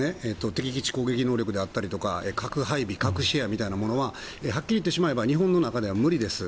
敵基地攻撃能力であったり核配備、核シェアみたいなものははっきり言ってしまえば日本の中では無理です。